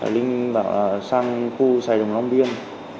linh bảo là sang khu xài đồng long biên